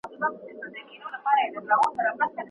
د ښوونکي روزنیز کورسونه باید په دوامداره توګه ترسره شي.